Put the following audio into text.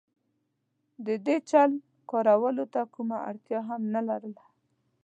د دې چل کارولو ته کومه اړتیا هم نه لرله.